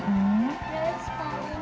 terus paling lebar